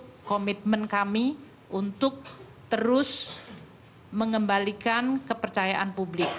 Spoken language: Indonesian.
itu komitmen kami untuk terus mengembalikan kepercayaan publik